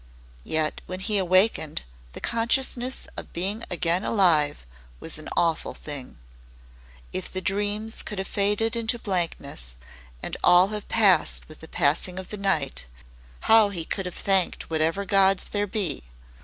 Yet when he awakened the consciousness of being again alive was an awful thing. If the dreams could have faded into blankness and all have passed with the passing of the night, how he could have thanked whatever gods there be!